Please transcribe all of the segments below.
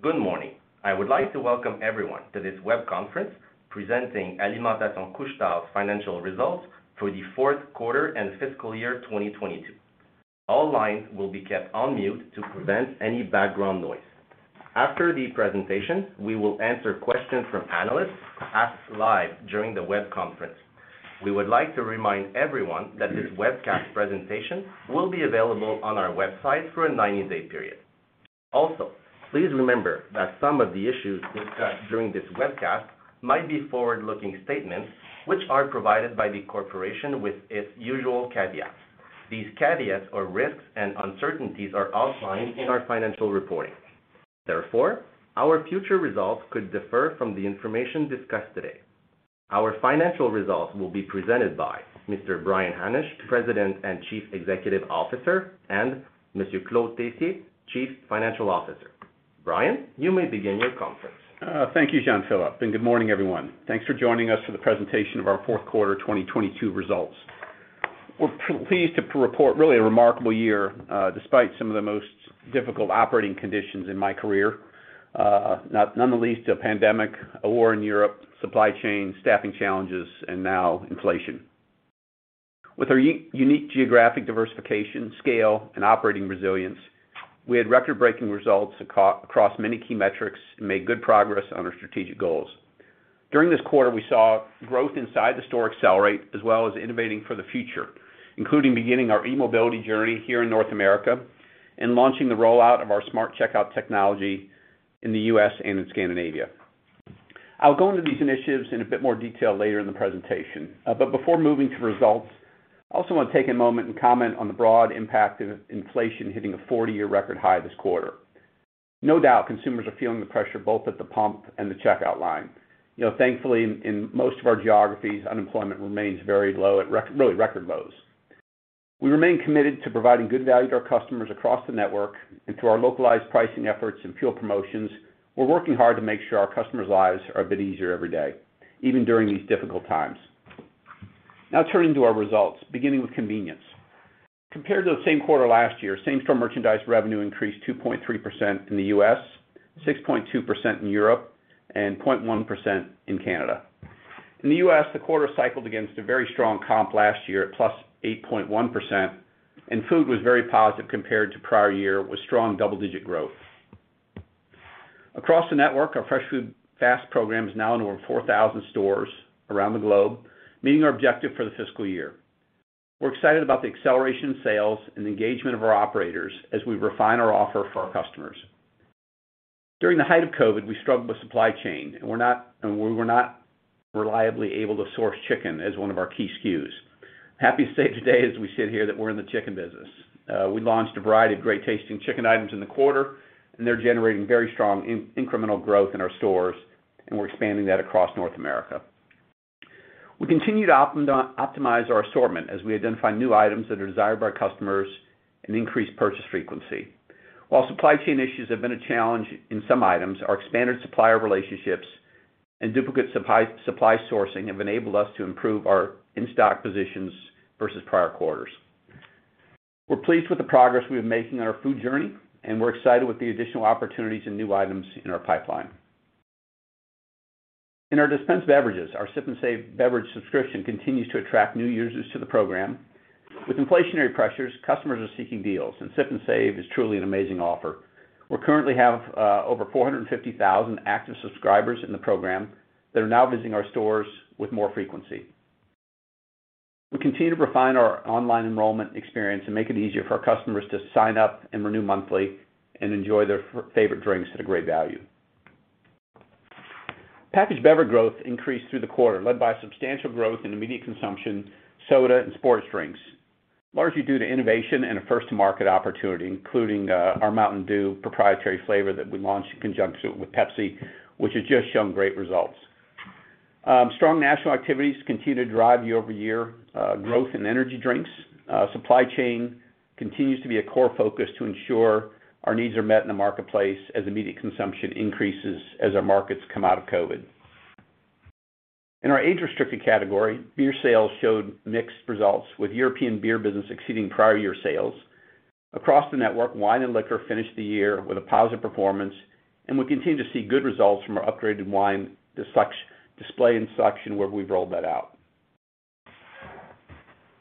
Good morning. I would like to welcome everyone to this web conference presenting Alimentation Couche-Tard financial results for the fourth quarter and fiscal year 2022. All lines will be kept on mute to prevent any background noise. After the presentation, we will answer questions from analysts asked live during the web conference. We would like to remind everyone that this webcast presentation will be available on our website for a 90-day period. Also, please remember that some of the issues discussed during this webcast might be forward-looking statements which are provided by the corporation with its usual caveats. These caveats or risks and uncertainties are outlined in our financial reporting. Therefore, our future results could differ from the information discussed today. Our financial results will be presented by Mr. Brian Hannasch, President and Chief Executive Officer, and Monsieur Claude Tessier, Chief Financial Officer. Brian, you may begin your conference. Thank you, Jean-Philippe, and good morning, everyone. Thanks for joining us for the presentation of our fourth quarter 2022 results. We're pleased to report really a remarkable year, despite some of the most difficult operating conditions in my career, nonetheless, a pandemic, a war in Europe, supply chain, staffing challenges, and now inflation. With our unique geographic diversification, scale, and operating resilience, we had record-breaking results across many key metrics and made good progress on our strategic goals. During this quarter, we saw growth inside the store accelerate, as well as innovating for the future, including beginning our e-mobility journey here in North America and launching the rollout of our Smart Checkout technology in the U.S. and in Scandinavia. I'll go into these initiatives in a bit more detail later in the presentation. Before moving to results, I also wanna take a moment and comment on the broad impact of inflation hitting a 40-year record high this quarter. No doubt, consumers are feeling the pressure both at the pump and the checkout line. You know, thankfully, in most of our geographies, unemployment remains very low at really record lows. We remain committed to providing good value to our customers across the network and to our localized pricing efforts and fuel promotions. We're working hard to make sure our customers' lives are a bit easier every day, even during these difficult times. Now turning to our results, beginning with convenience. Compared to the same quarter last year, same store merchandise revenue increased 2.3% in the U.S., 6.2% in Europe, and 0.1% in Canada. In the U.S., the quarter cycled against a very strong comp last year at +8.1%, and food was very positive compared to prior year with strong double-digit growth. Across the network, our Fresh Food, Fast program is now in over 4,000 stores around the globe, meeting our objective for the fiscal year. We're excited about the acceleration sales and engagement of our operators as we refine our offer for our customers. During the height of COVID, we struggled with supply chain, and we were not reliably able to source chicken as one of our key SKUs. Happy to say today as we sit here that we're in the chicken business. We launched a variety of great tasting chicken items in the quarter, and they're generating very strong incremental growth in our stores, and we're expanding that across North America. We continue to optimize our assortment as we identify new items that are desired by our customers and increase purchase frequency. While supply chain issues have been a challenge in some items, our expanded supplier relationships and duplicate supply sourcing have enabled us to improve our in-stock positions versus prior quarters. We're pleased with the progress we are making on our food journey, and we're excited with the additional opportunities and new items in our pipeline. In our dispense beverages, our Sip & Save beverage subscription continues to attract new users to the program. With inflationary pressures, customers are seeking deals, and Sip & Save is truly an amazing offer. We currently have over 450,000 active subscribers in the program that are now visiting our stores with more frequency. We continue to refine our online enrollment experience and make it easier for our customers to sign up and renew monthly and enjoy their favorite drinks at a great value. Packaged beverage growth increased through the quarter, led by substantial growth in immediate consumption, soda, and sports drinks, largely due to innovation and a first-to-market opportunity, including our Mountain Dew proprietary flavor that we launched in conjunction with Pepsi, which has just shown great results. Strong national activities continue to drive year-over-year growth in energy drinks. Supply chain continues to be a core focus to ensure our needs are met in the marketplace as immediate consumption increases as our markets come out of COVID. In our age-restricted category, beer sales showed mixed results, with European beer business exceeding prior year sales. Across the network, wine and liquor finished the year with a positive performance, and we continue to see good results from our upgraded wine display and selection where we've rolled that out.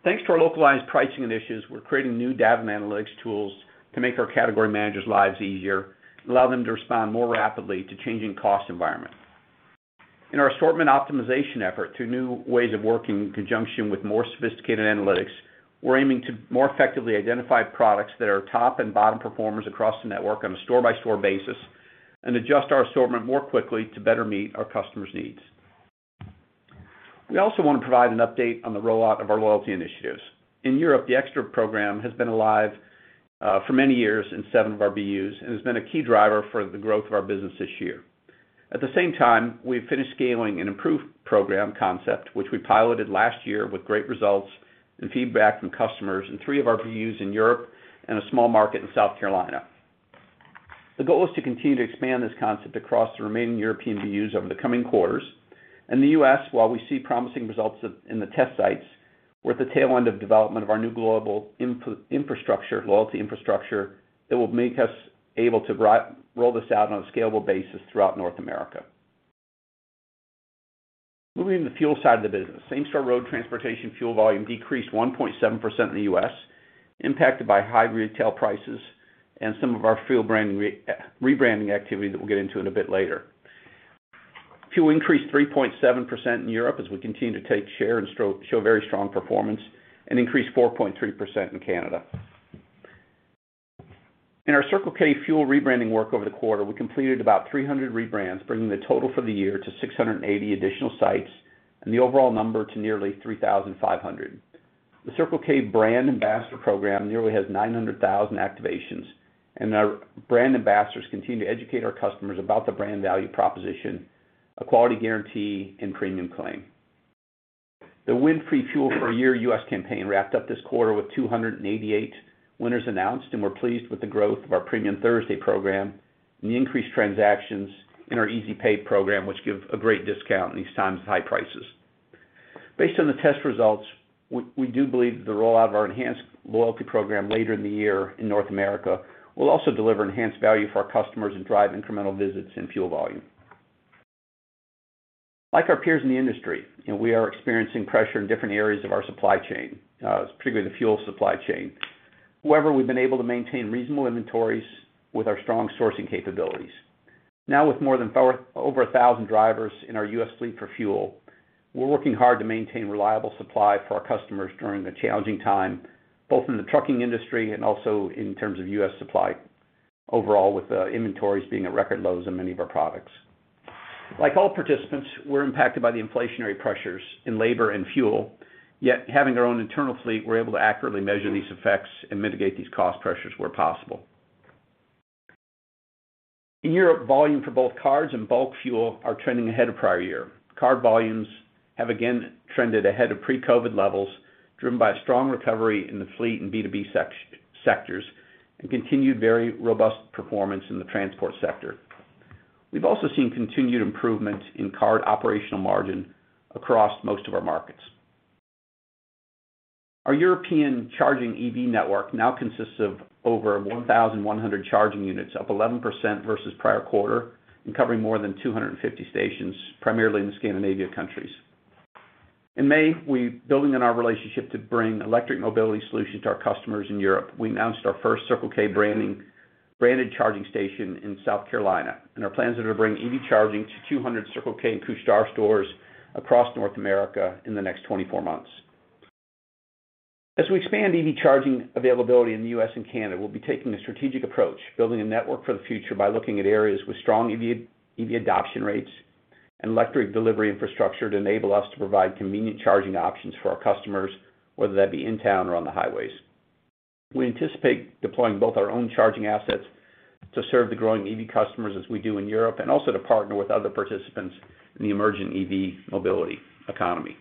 Thanks to our localized pricing initiatives, we're creating new data and analytics tools to make our category managers' lives easier and allow them to respond more rapidly to changing cost environment. In our assortment optimization effort through new ways of working in conjunction with more sophisticated analytics, we're aiming to more effectively identify products that are top and bottom performers across the network on a store-by-store basis and adjust our assortment more quickly to better meet our customers' needs. We also want to provide an update on the rollout of our loyalty initiatives. In Europe, the Extra program has been alive for many years in seven of our BUs and has been a key driver for the growth of our business this year. At the same time, we've finished scaling an improved program concept, which we piloted last year with great results and feedback from customers in three of our BUs in Europe and a small market in South Carolina. The goal is to continue to expand this concept across the remaining European BUs over the coming quarters. In the U.S., while we see promising results in the test sites. We're at the tail end of development of our new global infrastructure, loyalty infrastructure that will make us able to roll this out on a scalable basis throughout North America. Moving to the fuel side of the business. Same-store road transportation fuel volume decreased 1.7% in the U.S., impacted by high retail prices and some of our fuel branding rebranding activity that we'll get into in a bit later. Fuel increased 3.7% in Europe as we continue to take share and show very strong performance, and increased 4.3% in Canada. In our Circle K fuel rebranding work over the quarter, we completed about 300 rebrands, bringing the total for the year to 680 additional sites and the overall number to nearly 3,500. The Circle K brand ambassador program nearly has 900,000 activations, and our brand ambassadors continue to educate our customers about the brand value proposition, a quality guarantee, and premium claim. The Win Free Fuel for a Year U.S. campaign wrapped up this quarter with 288 winners announced, and we're pleased with the growth of our Premium Thursday program and the increased transactions in our Easy Pay program, which give a great discount in these times of high prices. Based on the test results, we do believe that the rollout of our enhanced loyalty program later in the year in North America will also deliver enhanced value for our customers and drive incremental visits and fuel volume. Like our peers in the industry, you know, we are experiencing pressure in different areas of our supply chain, particularly the fuel supply chain. However, we've been able to maintain reasonable inventories with our strong sourcing capabilities. Now, with over 1,000 drivers in our U.S. fleet for fuel, we're working hard to maintain reliable supply for our customers during the challenging time, both in the trucking industry and also in terms of U.S. supply overall, with inventories being at record lows in many of our products. Like all participants, we're impacted by the inflationary pressures in labor and fuel. Yet, having our own internal fleet, we're able to accurately measure these effects and mitigate these cost pressures where possible. In Europe, volume for both cards and bulk fuel are trending ahead of prior year. Card volumes have again trended ahead of pre-COVID levels, driven by a strong recovery in the fleet and B2B sectors, and continued very robust performance in the transport sector. We've also seen continued improvement in card operational margin across most of our markets. Our European charging EV network now consists of over 1,100 charging units, up 11% versus prior quarter and covering more than 250 stations, primarily in the Scandinavian countries. In May, building on our relationship to bring electric mobility solutions to our customers in Europe, we announced our first Circle K branded charging station in South Carolina, and our plans are to bring EV charging to 200 Circle K and Couche-Tard stores across North America in the next 24 months. As we expand EV charging availability in the U.S. and Canada, we'll be taking a strategic approach, building a network for the future by looking at areas with strong EV adoption rates and electric delivery infrastructure to enable us to provide convenient charging options for our customers, whether that be in town or on the highways. We anticipate deploying both our own charging assets to serve the growing EV customers as we do in Europe, and also to partner with other participants in the emerging EV mobility economy.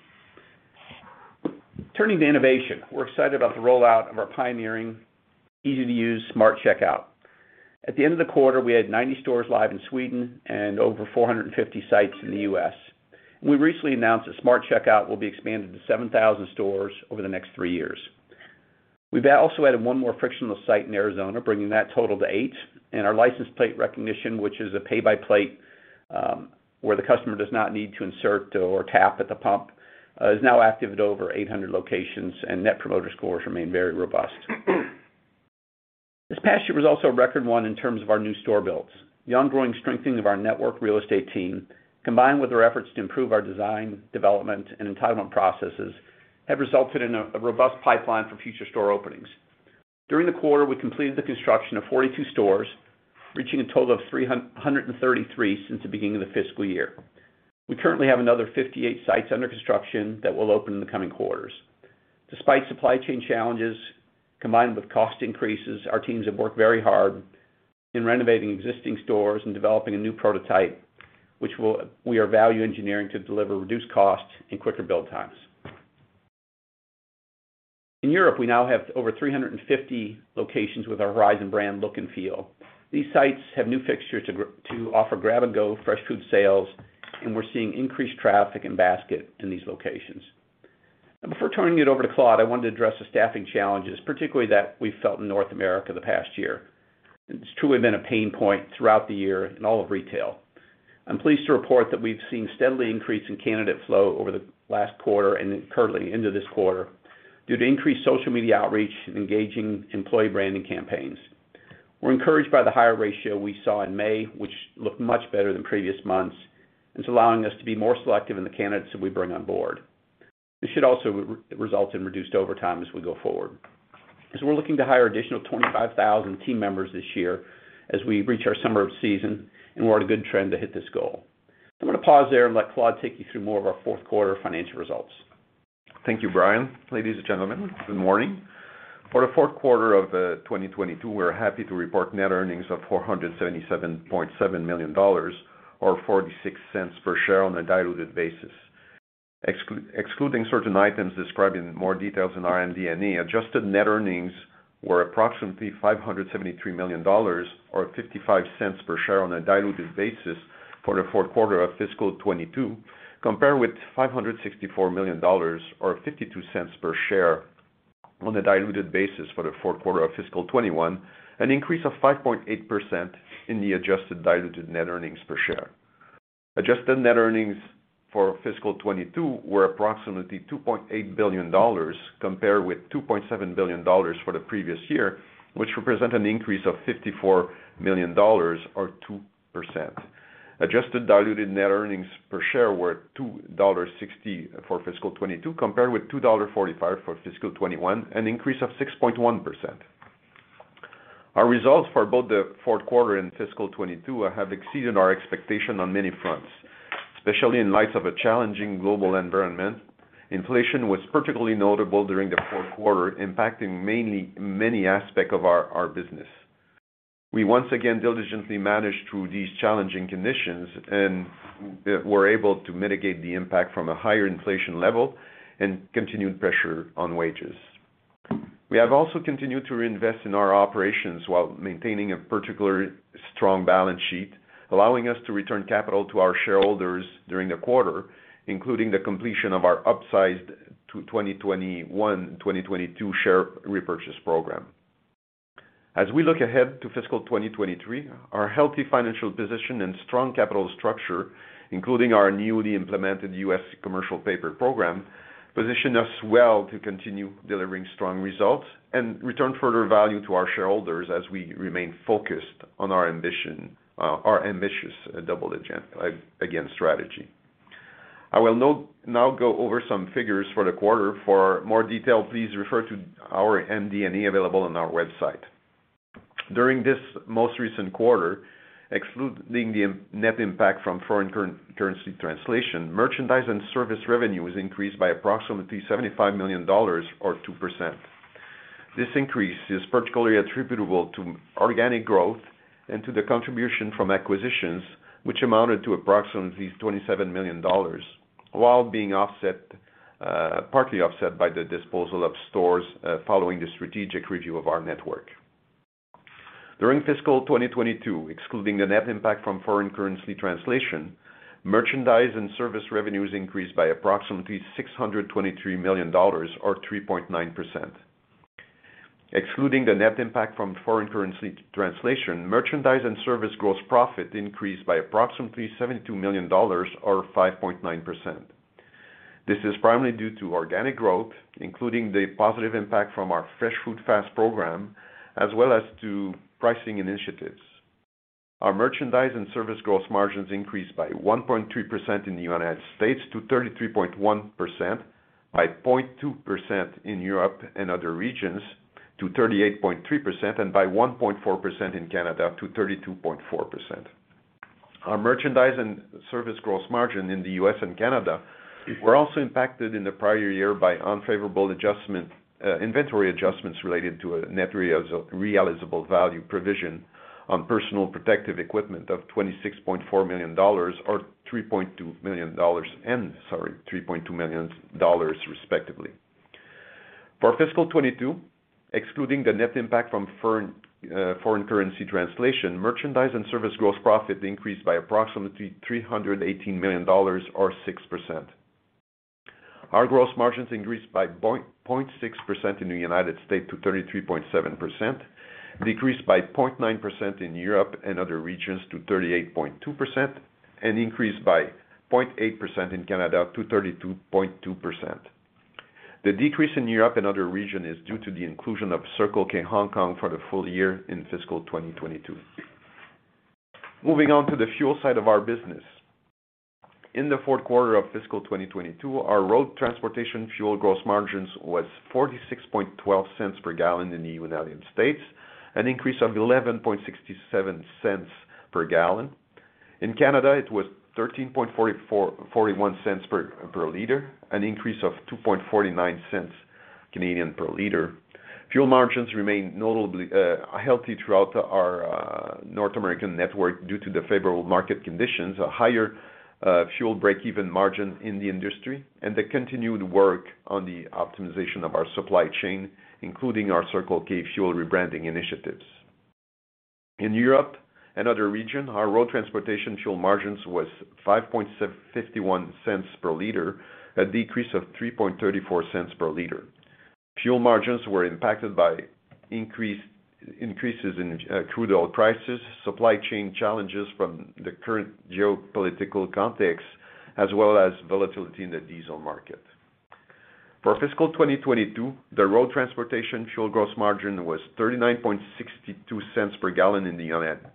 Turning to innovation, we're excited about the rollout of our pioneering easy-to-use Smart Checkout. At the end of the quarter, we had 90 stores live in Sweden and over 450 sites in the U.S. We recently announced that Smart Checkout will be expanded to 7,000 stores over the next three years. We've also added one more frictionless site in Arizona, bringing that total to eight, and our license plate recognition, which is a pay by plate, where the customer does not need to insert or tap at the pump, is now active at over 800 locations, and Net Promoter Scores remain very robust. This past year was also a record one in terms of our new store builds. The ongoing strengthening of our network real estate team, combined with our efforts to improve our design, development, and entitlement processes, have resulted in a robust pipeline for future store openings. During the quarter, we completed the construction of 42 stores, reaching a total of 333 since the beginning of the fiscal year. We currently have another 58 sites under construction that will open in the coming quarters. Despite supply chain challenges combined with cost increases, our teams have worked very hard in renovating existing stores and developing a new prototype, we are value engineering to deliver reduced costs and quicker build times. In Europe, we now have over 350 locations with our Horizon brand look and feel. These sites have new fixtures to offer grab and go fresh food sales, and we're seeing increased traffic and basket in these locations. Before turning it over to Claude, I wanted to address the staffing challenges, particularly that we've felt in North America the past year. It's truly been a pain point throughout the year in all of retail. I'm pleased to report that we've seen steadily increase in candidate flow over the last quarter and currently into this quarter due to increased social media outreach and engaging employee branding campaigns. We're encouraged by the higher ratio we saw in May, which looked much better than previous months. It's allowing us to be more selective in the candidates that we bring on board. It should also result in reduced overtime as we go forward. As we're looking to hire additional 25,000 team members this year as we reach our summer season, and we're at a good trend to hit this goal. I'm gonna pause there and let Claude take you through more of our fourth quarter financial results. Thank you, Brian. Ladies and gentlemen, good morning. For the fourth quarter of 2022, we're happy to report net earnings of $477.7 million or $0.46 per share on a diluted basis. Excluding certain items described in more detail in our MD&A, adjusted net earnings were approximately $573 million or $0.55 per share on a diluted basis for the fourth quarter of fiscal 2022, compared with $564 million or $0.52 per share on a diluted basis for the fourth quarter of fiscal 2021, an increase of 5.8% in the adjusted diluted net earnings per share. Adjusted net earnings for fiscal 2022 were approximately $2.8 billion compared with $2.7 billion for the previous year, which represent an increase of $54 million or 2%. Adjusted diluted net earnings per share were $2.60 for fiscal 2022 compared with $2.45 for fiscal 2021, an increase of 6.1%. Our results for both the fourth quarter and fiscal 2022 have exceeded our expectation on many fronts, especially in light of a challenging global environment. Inflation was particularly notable during the fourth quarter, impacting mainly many aspects of our business. We once again diligently managed through these challenging conditions and were able to mitigate the impact from a higher inflation level and continued pressure on wages. We have also continued to reinvest in our operations while maintaining a particularly strong balance sheet, allowing us to return capital to our shareholders during the quarter, including the completion of our upsized 2021-2022 share repurchase program. As we look ahead to fiscal 2023, our healthy financial position and strong capital structure, including our newly implemented U.S. commercial paper program, position us well to continue delivering strong results and return further value to our shareholders as we remain focused on our ambitious Double Again strategy. I will now go over some figures for the quarter. For more detail, please refer to our MD&A available on our website. During this most recent quarter, excluding the net impact from foreign currency translation, merchandise and service revenue has increased by approximately $75 million or 2%. This increase is particularly attributable to organic growth and to the contribution from acquisitions, which amounted to approximately $27 million while being partly offset by the disposal of stores following the strategic review of our network. During fiscal 2022, excluding the net impact from foreign currency translation, merchandise and service revenues increased by approximately $623 million or 3.9%. Excluding the net impact from foreign currency translation, merchandise and service gross profit increased by approximately $72 million or 5.9%. This is primarily due to organic growth, including the positive impact from our Fresh Food, Fast program, as well as to pricing initiatives. Our merchandise and service gross margins increased by 1.3% in the United States to 33.1%, by 0.2% in Europe and other regions to 38.3% and by 1.4% in Canada to 32.4%. Our merchandise and service gross margin in the U.S. and Canada were also impacted in the prior year by unfavorable adjustment, inventory adjustments related to a net realizable value provision on personal protective equipment of $26.4 million or $3.2 million, and sorry, $3.2 million respectively. For fiscal 2022, excluding the net impact from foreign currency translation, merchandise and service gross profit increased by approximately $318 million or 6%. Our gross margins increased by 0.6% in the United States to 33.7%, decreased by 0.9% in Europe and other regions to 38.2%, and increased by 0.8% in Canada to 32.2%. The decrease in Europe and other region is due to the inclusion of Circle K Hong Kong for the full year in fiscal 2022. Moving on to the fuel side of our business. In the fourth quarter of fiscal 2022, our road transportation fuel gross margins was $0.4612 per gallon in the United States, an increase of $0.1167 per gallon. In Canada, it was 0.1341 per liter, an increase of 0.0249 per liter. Fuel margins remained notably healthy throughout our North American network due to the favorable market conditions, a higher fuel break even margin in the industry and the continued work on the optimization of our supply chain, including our Circle K fuel rebranding initiatives. In Europe and other region, our road transportation fuel margins was $0.51 per liter, a decrease of $0.334 per liter. Fuel margins were impacted by increases in crude oil prices, supply chain challenges from the current geopolitical context as well as volatility in the diesel market. For fiscal 2022, the road transportation fuel gross margin was $0.3962 per gallon in the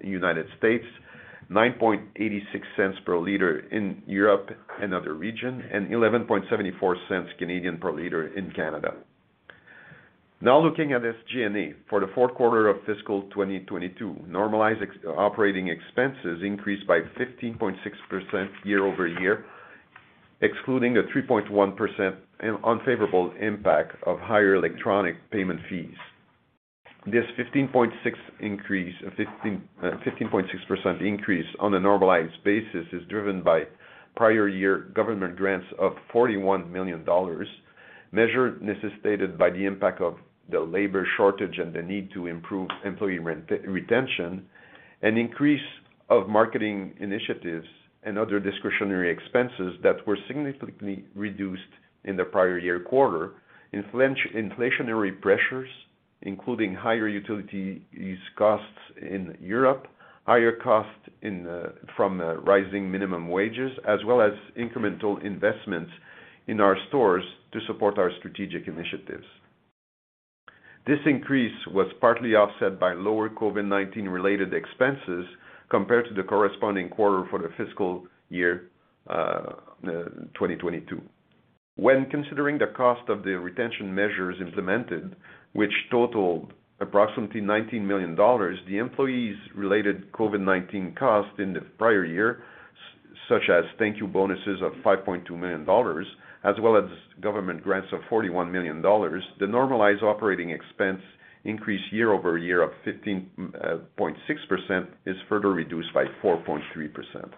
United States, $0.0986 per liter in Europe and other region, and 0.1174 per liter in Canada. Now looking at SG&A. For the fourth quarter of fiscal 2022, normalized operating expenses increased by 15.6% year-over-year, excluding a 3.1% an unfavorable impact of higher electronic payment fees. This 15.6% increase on a normalized basis is driven by prior year government grants of $41 million, necessitated by the impact of the labor shortage and the need to improve employee retention and increase of marketing initiatives and other discretionary expenses that were significantly reduced in the prior year quarter. Inflationary pressures, including higher utility costs in Europe, higher costs from rising minimum wages, as well as incremental investments in our stores to support our strategic initiatives. This increase was partly offset by lower COVID-19 related expenses compared to the corresponding quarter for the fiscal year 2022. When considering the cost of the retention measures implemented, which totaled approximately $19 million, the employees related COVID-19 costs in the prior year, such as thank you bonuses of $5.2 million as well as government grants of $41 million, the normalized operating expense increased year-over-year 15.6% is further reduced by 4.3%.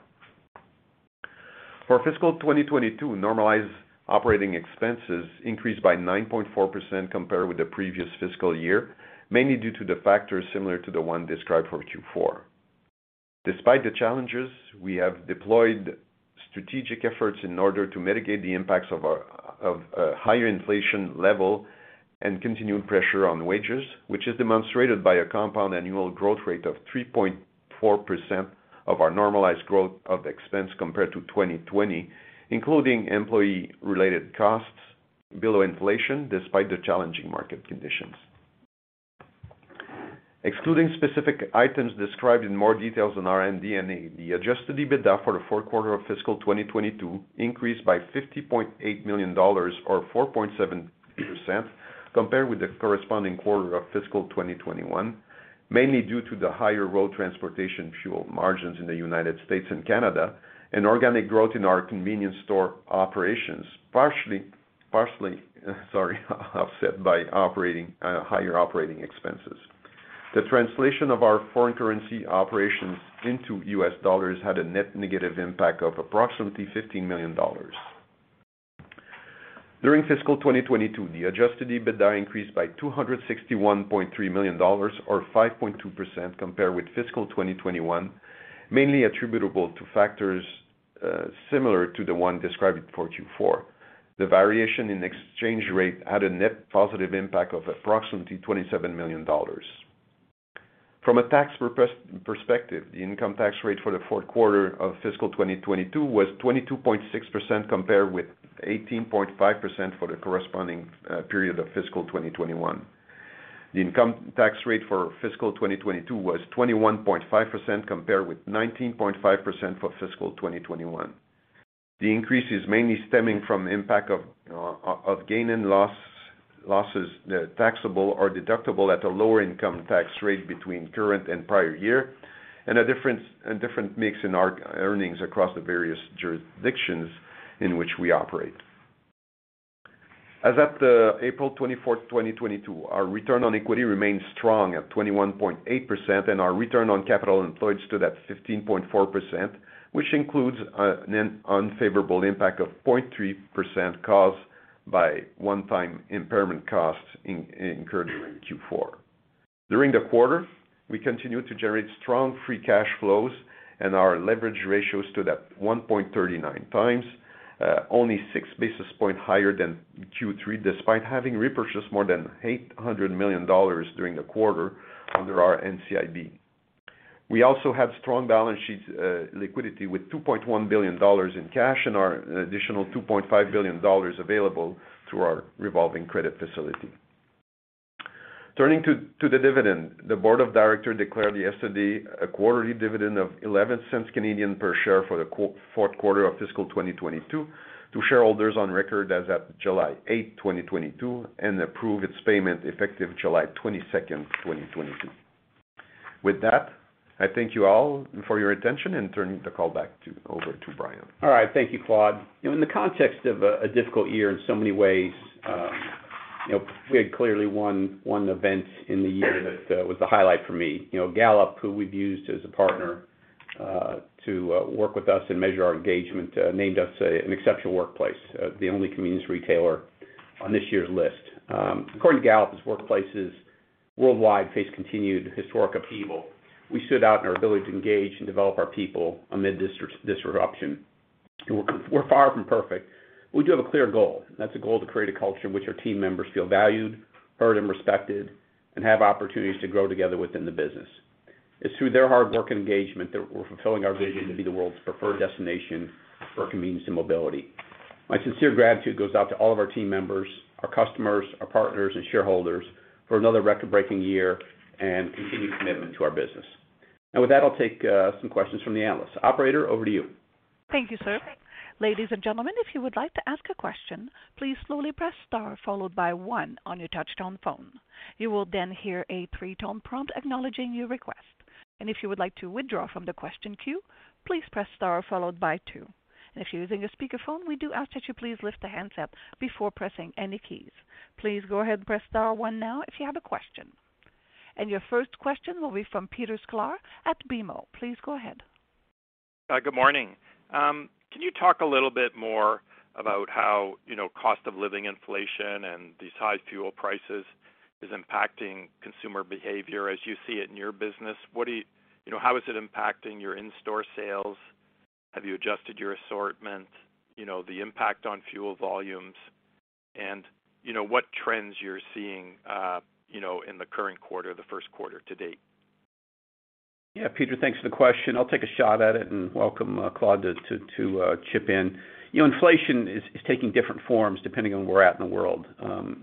For fiscal 2022, normalized operating expenses increased by 9.4% compared with the previous fiscal year, mainly due to the factors similar to the one described for Q4. Despite the challenges, we have deployed strategic efforts in order to mitigate the impacts of a higher inflation level and continued pressure on wages, which is demonstrated by a compound annual growth rate of 3.4% of our normalized growth of expense compared to 2020, including employee-related costs below inflation, despite the challenging market conditions. Excluding specific items described in more detail on our MD&A, the adjusted EBITDA for the fourth quarter of fiscal 2022 increased by $50.8 million or 4.7% compared with the corresponding quarter of fiscal 2021, mainly due to the higher road transportation fuel margins in the United States and Canada and organic growth in our convenience store operations, partially offset by higher operating expenses. The translation of our foreign currency operations into U.S. dollars had a net negative impact of approximately $15 million. During fiscal 2022, the adjusted EBITDA increased by $261.3 million or 5.2% compared with fiscal 2021, mainly attributable to factors similar to the one described for Q4. The variation in exchange rate had a net positive impact of approximately $27 million. From a tax perspective, the income tax rate for the fourth quarter of fiscal 2022 was 22.6% compared with 18.5% for the corresponding period of fiscal 2021. The income tax rate for fiscal 2022 was 21.5% compared with 19.5% for fiscal 2021. The increase is mainly stemming from impact of gains and losses taxable or deductible at a lower income tax rate between current and prior year, and a different mix in our earnings across the various jurisdictions in which we operate. As of April 24th, 2022, our return on equity remains strong at 21.8% and our return on capital employed stood at 15.4%, which includes an unfavorable impact of 0.3% caused by one-time impairment costs incurred during Q4. During the quarter, we continued to generate strong free cash flows and our leverage ratio stood at 1.39 times, only six basis point higher than Q3, despite having repurchased more than $800 million during the quarter under our NCIB. We also have strong balance sheets, liquidity with $2.1 billion in cash and our additional $2.5 billion available through our revolving credit facility. Turning to the dividend, the board of directors declared yesterday a quarterly dividend of 0.11 per share for the fourth quarter of fiscal 2022 to shareholders on record as at July 8th, 2022 and approved its payment effective July 22nd, 2022. With that, I thank you all for your attention and turn the call over to Brian. All right. Thank you, Claude. In the context of a difficult year in so many ways, you know, we had clearly one event in the year that was the highlight for me. You know, Gallup, who we've used as a partner, to work with us and measure our engagement, named us an exceptional workplace, the only convenience retailer on this year's list. According to Gallup, as workplaces worldwide face continued historic upheaval, we stood out in our ability to engage and develop our people amid this disruption. We're far from perfect, but we do have a clear goal, and that's the goal to create a culture in which our team members feel valued, heard, and respected, and have opportunities to grow together within the business. It's through their hard work and engagement that we're fulfilling our vision to be the world's preferred destination for convenience and mobility. My sincere gratitude goes out to all of our team members, our customers, our partners, and shareholders for another record-breaking year and continued commitment to our business. With that, I'll take some questions from the analysts. Operator, over to you. Thank you, sir. Ladies and gentlemen, if you would like to ask a question, please slowly press star followed by one on your touch-tone phone. You will then hear a three-tone prompt acknowledging your request. If you would like to withdraw from the question queue, please press star followed by two. If you're using a speakerphone, we do ask that you please lift the handset before pressing any keys. Please go ahead and press star one now if you have a question. Your first question will be from Peter Sklar at BMO. Please go ahead. Hi, good morning. Can you talk a little bit more about how, you know, cost of living inflation and these high fuel prices is impacting consumer behavior as you see it in your business? You know, how is it impacting your in-store sales? Have you adjusted your assortment? You know, the impact on fuel volumes and, you know, what trends you're seeing, you know, in the current quarter, the first quarter to date. Yeah. Peter, thanks for the question. I'll take a shot at it and welcome Claude to chip in. You know, inflation is taking different forms depending on where we're at in the world.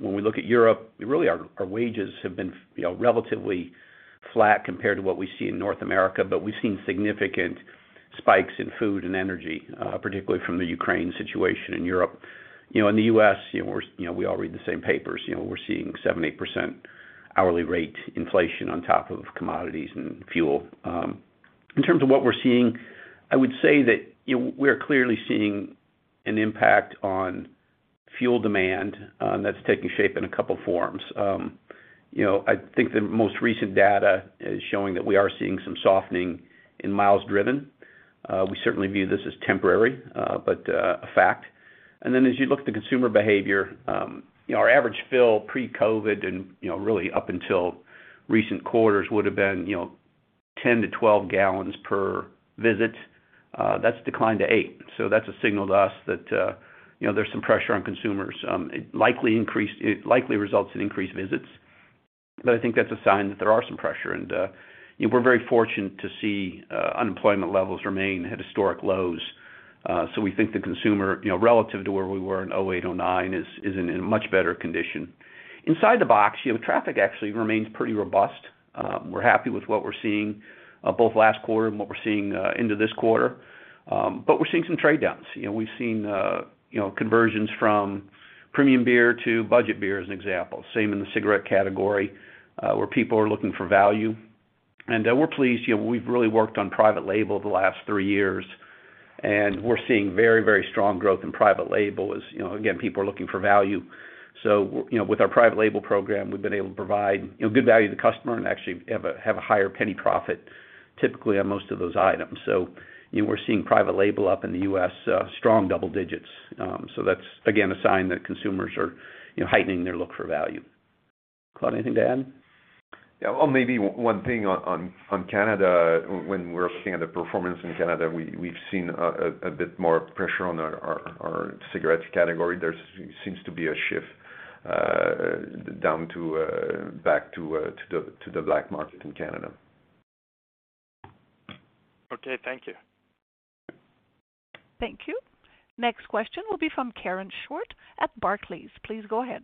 When we look at Europe, really our wages have been, you know, relatively flat compared to what we see in North America. We've seen significant spikes in food and energy, particularly from the Ukraine situation in Europe. You know, in the U.S., you know, we're you know, we all read the same papers. You know, we're seeing 7%-8% hourly rate inflation on top of commodities and fuel. In terms of what we're seeing, I would say that, you know, we're clearly seeing an impact on fuel demand, that's taking shape in a couple forms. You know, I think the most recent data is showing that we are seeing some softening in miles driven. We certainly view this as temporary, but a fact. As you look at the consumer behavior, you know, our average fill pre-COVID and, you know, really up until recent quarters would have been, you know, 10-12 gal per visit. That's declined to 8 gal. That's a signal to us that, you know, there's some pressure on consumers. It likely results in increased visits, but I think that's a sign that there are some pressure. You know, we're very fortunate to see unemployment levels remain at historic lows. We think the consumer, you know, relative to where we were in 2008, 2009 is in a much better condition. Inside the box, you know, traffic actually remains pretty robust. We're happy with what we're seeing, both last quarter and what we're seeing into this quarter. We're seeing some trade downs. You know, we've seen, you know, conversions from premium beer to budget beer as an example. Same in the cigarette category, where people are looking for value. We're pleased. You know, we've really worked on private label the last three years, and we're seeing very, very strong growth in private label as, you know, again, people are looking for value. You know, with our private label program, we've been able to provide, you know, good value to the customer and actually have a higher penny profit typically on most of those items. You know, we're seeing private label up in the U.S., strong double digits. That's again a sign that consumers are, you know, heightening their look for value. Claude, anything to add? Yeah. Well, maybe one thing on Canada. When we're looking at the performance in Canada, we've seen a bit more pressure on our cigarette category. There seems to be a shift down to back to the black market in Canada. Okay. Thank you. Yeah. Thank you. Next question will be from Karen Short at Barclays. Please go ahead.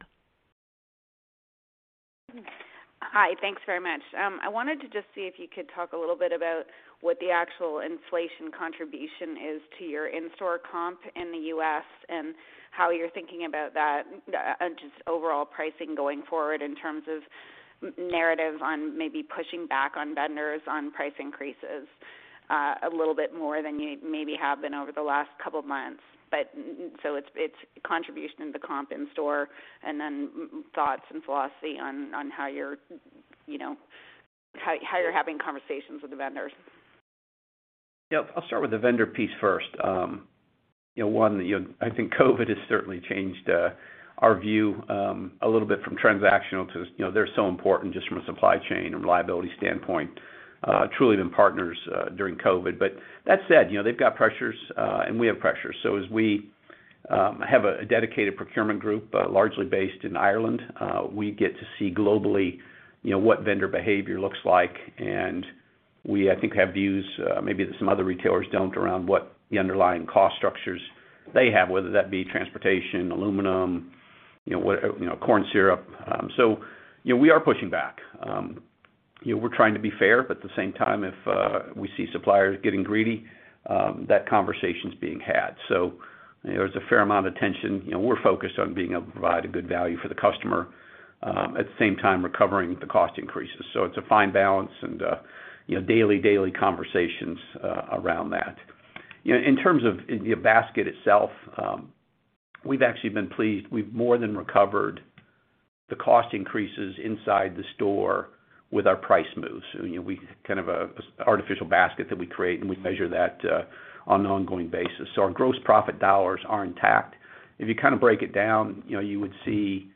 Hi. Thanks very much. I wanted to just see if you could talk a little bit about what the actual inflation contribution is to your in-store comp in the U.S. and how you're thinking about that, just overall pricing going forward in terms of narrative on maybe pushing back on vendors on price increases, a little bit more than you maybe have been over the last couple of months. It's contribution to the comp in store and then thoughts and philosophy on how you're, you know, having conversations with the vendors. Yeah. I'll start with the vendor piece first. You know, I think COVID has certainly changed our view a little bit from transactional to, you know, they're so important just from a supply chain and reliability standpoint, truly been partners during COVID. That said, you know, they've got pressures, and we have pressures. As we have a dedicated procurement group largely based in Ireland, we get to see globally, you know, what vendor behavior looks like. We, I think, have views maybe that some other retailers don't around what the underlying cost structures they have, whether that be transportation, aluminum, you know, corn syrup. You know, we are pushing back. You know, we're trying to be fair, but at the same time, if we see suppliers getting greedy, that conversation's being had. So there's a fair amount of tension. You know, we're focused on being able to provide a good value for the customer, at the same time recovering the cost increases. So it's a fine balance and, you know, daily conversations around that. You know, in terms of the basket itself, we've actually been pleased. We've more than recovered the cost increases inside the store with our price moves. You know, we kind of artificial basket that we create, and we measure that on an ongoing basis. So our gross profit dollars are intact. If you kind of break it down, you know, you would see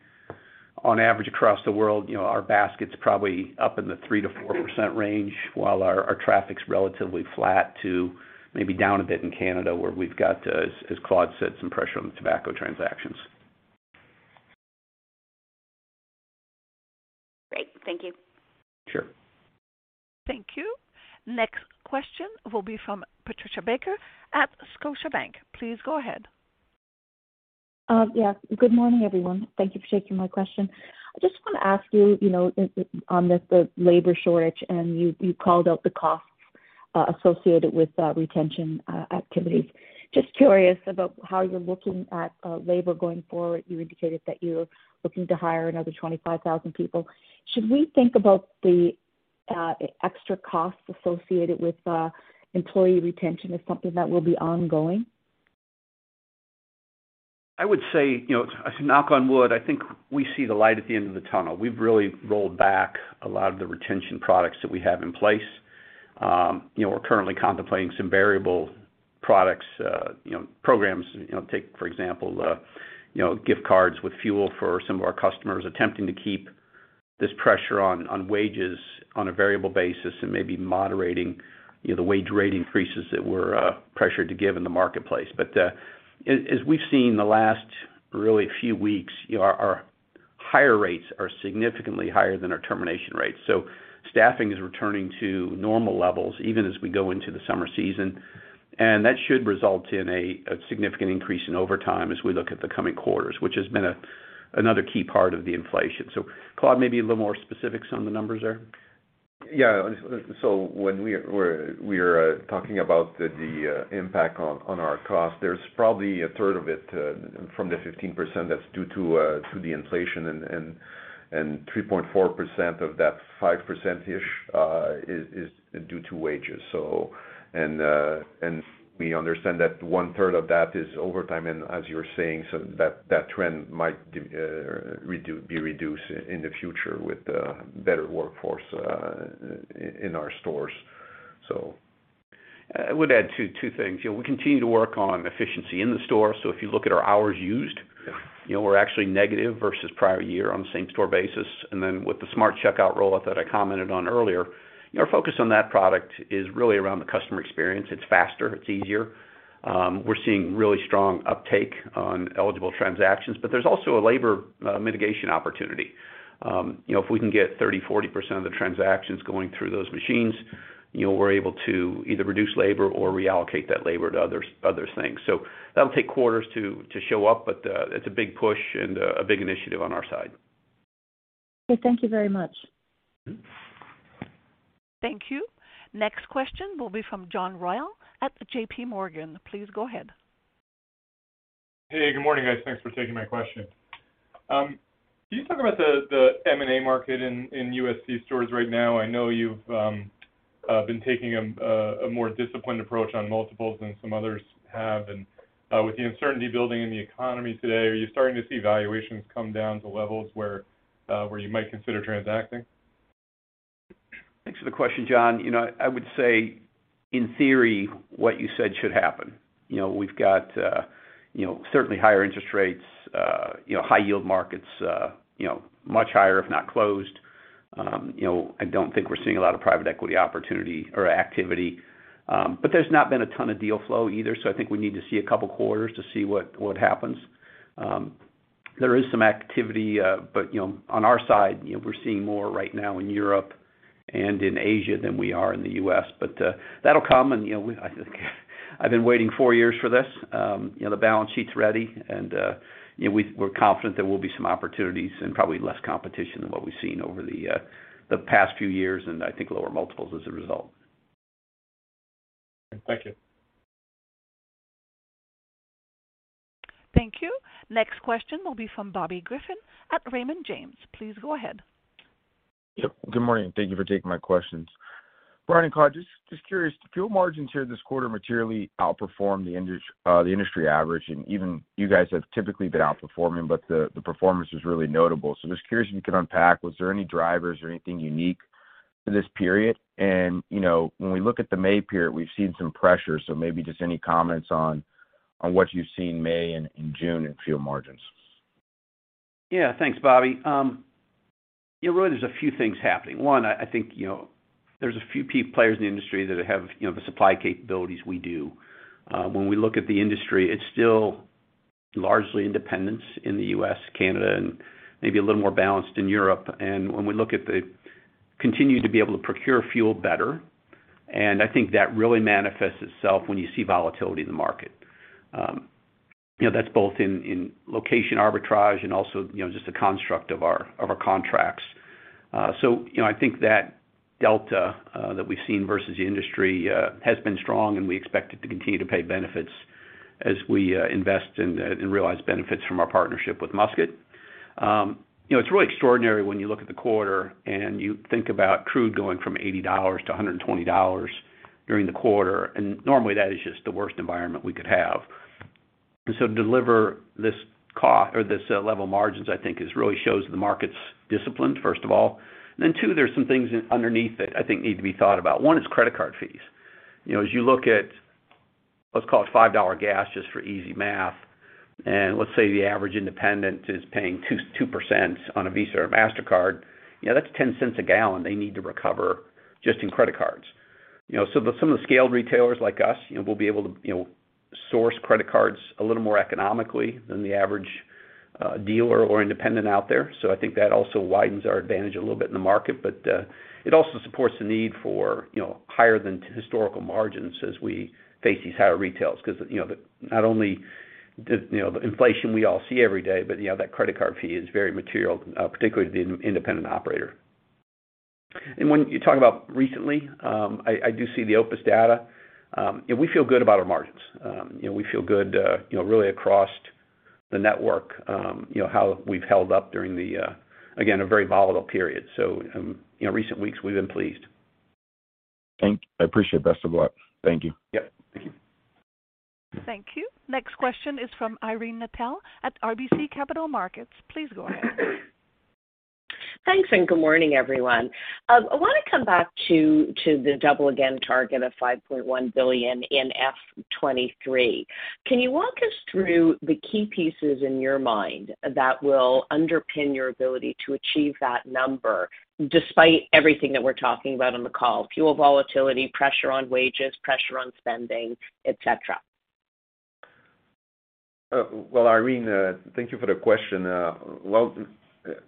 on average across the world, you know, our basket's probably up in the 3%-4% range while our traffic's relatively flat to maybe down a bit in Canada, where we've got, as Claude said, some pressure on the tobacco transactions. Great. Thank you. Sure. Thank you. Next question will be from Patricia Baker at Scotiabank. Please go ahead. Yeah. Good morning, everyone. Thank you for taking my question. I just wanna ask you know, on the labor shortage, and you called out the costs associated with retention activities. Just curious about how you're looking at labor going forward. You indicated that you're looking to hire another 25,000 people. Should we think about the extra costs associated with employee retention as something that will be ongoing? I would say, you know, knock on wood, I think we see the light at the end of the tunnel. We've really rolled back a lot of the retention products that we have in place. You know, we're currently contemplating some variable products, you know, programs. You know, take, for example, the, you know, gift cards with fuel for some of our customers attempting to keep this pressure on wages on a variable basis and maybe moderating, you know, the wage rate increases that we're pressured to give in the marketplace. As we've seen the last really few weeks, our higher rates are significantly higher than our termination rates. Staffing is returning to normal levels even as we go into the summer season. That should result in a significant increase in overtime as we look at the coming quarters, which has been another key part of the inflation. Claude, maybe a little more specifics on the numbers there. Yeah, when we're talking about the impact on our costs, there's probably a third of it from the 15% that's due to the inflation and 3.4% of that 5%-ish is due to wages. We understand that one-third of that is overtime. As you're saying, that trend might be reduced in the future with better workforce in our stores. I would add two things. You know, we continue to work on efficiency in the store. If you look at our hours used, you know, we're actually negative versus prior year on the same-store basis. Then with the Smart Checkout rollout that I commented on earlier, you know, our focus on that product is really around the customer experience. It's faster, it's easier. We're seeing really strong uptake on eligible transactions, but there's also a labor mitigation opportunity. You know, if we can get 30%-40% of the transactions going through those machines, you know, we're able to either reduce labor or reallocate that labor to other things. That'll take quarters to show up, but it's a big push and a big initiative on our side. Okay. Thank you very much. Mm-hmm. Thank you. Next question will be from John Royall at JPMorgan. Please go ahead. Hey, good morning, guys. Thanks for taking my question. Can you talk about the M&A market in U.S. c-stores right now? I know you've been taking a more disciplined approach on multiples than some others have. With the uncertainty building in the economy today, are you starting to see valuations come down to levels where you might consider transacting? Thanks for the question, John. You know, I would say, in theory, what you said should happen. You know, we've got, you know, certainly higher interest rates, you know, high yield markets, you know, much higher, if not closed. You know, I don't think we're seeing a lot of private equity opportunity or activity. There's not been a ton of deal flow either, so I think we need to see a couple of quarters to see what happens. There is some activity, but, you know, on our side, you know, we're seeing more right now in Europe and in Asia than we are in the U.S. That'll come and, you know, I've been waiting four years for this. You know, the balance sheet's ready and, you know, we're confident there will be some opportunities and probably less competition than what we've seen over the past few years, and I think lower multiples as a result. Thank you. Thank you. Next question will be from Bobby Griffin at Raymond James. Please go ahead. Yep. Good morning. Thank you for taking my questions. Brian and Claude, just curious, fuel margins here this quarter materially outperformed the industry average, and even you guys have typically been outperforming, but the performance was really notable. Just curious if you could unpack. Was there any drivers or anything unique to this period? You know, when we look at the May period, we've seen some pressure. Maybe just any comments on what you've seen in May and in June in fuel margins. Yeah. Thanks, Bobby. You know, really there's a few things happening. One, I think, you know, there's a few key players in the industry that have, you know, the supply capabilities we do. When we look at the industry, it's still largely independents in the U.S., Canada, and maybe a little more balanced in Europe. Continue to be able to procure fuel better, and I think that really manifests itself when you see volatility in the market. You know, that's both in location arbitrage and also, you know, just the construct of our contracts. So, you know, I think that delta that we've seen versus the industry has been strong, and we expect it to continue to pay benefits as we invest and realize benefits from our partnership with Musket. You know, it's really extraordinary when you look at the quarter and you think about crude going from $80-$120 during the quarter, and normally that is just the worst environment we could have. To deliver this level of margins, I think is really shows the market's disciplined, first of all. Then two, there's some things underneath it I think need to be thought about. One is credit card fees. You know, as you look at, let's call it $5 gas just for easy math, and let's say the average independent is paying 2% on a Visa or Mastercard, you know, that's $0.10 a gallon they need to recover just in credit cards. You know, some of the scaled retailers like us, you know, we'll be able to, you know, source credit cards a little more economically than the average, dealer or independent out there. I think that also widens our advantage a little bit in the market. It also supports the need for, you know, higher than historical margins as we face these higher retails 'cause, you know, not only the, you know, the inflation we all see every day, but, you know, that credit card fee is very material, particularly to the independent operator. When you talk about recently, I do see the OPIS data. You know, we feel good about our margins. You know, we feel good, you know, really across the network, you know, how we've held up during again, a very volatile period. You know, recent weeks we've been pleased. I appreciate. Best of luck. Thank you. Yep. Thank you. Thank you. Next question is from Irene Nattel at RBC Capital Markets. Please go ahead. Thanks, good morning, everyone. I wanna come back to the Double Again target of $5.1 billion in FY 2023. Can you walk us through the key pieces in your mind that will underpin your ability to achieve that number despite everything that we're talking about on the call, fuel volatility, pressure on wages, pressure on spending, et cetera? Well, Irene, thank you for the question. Well,